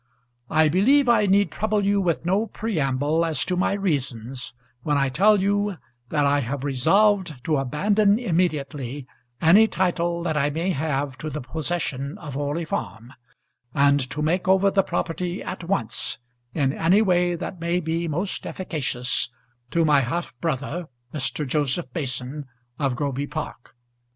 I believe I need trouble you with no preamble as to my reasons when I tell you that I have resolved to abandon immediately any title that I may have to the possession of Orley Farm, and to make over the property at once, in any way that may be most efficacious, to my half brother, Mr. Joseph Mason, of Groby Park.